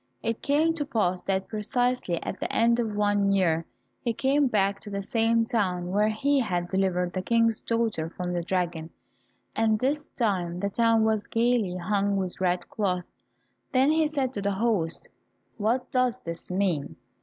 It came to pass that precisely at the end of one year he came back to the same town where he had delivered the King's daughter from the dragon, and this time the town was gaily hung with red cloth. Then he said to the host, "What does this mean?